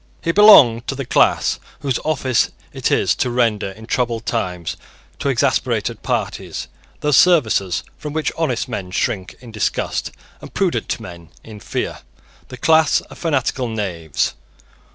He belonged to the class whose office it is to render in troubled times to exasperated parties those services from which honest men shrink in disgust and prudent men in fear, the class of fanatical knaves.